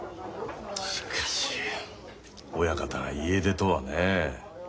しかし親方が家出とはねえ。